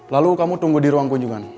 lalu kamu tunggu di ruang kunjungan